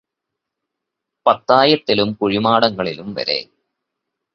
പത്തായത്തിലും കുഴിമാടങ്ങളിലും വരെ